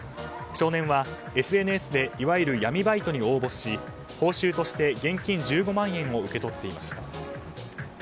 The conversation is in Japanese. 少年はＳＮＳでいわゆる闇バイトに応募し報酬として現金１５万円を受け取っていました。